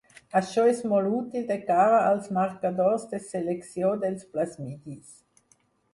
Això és molt útil de cara als marcadors de selecció dels plasmidis.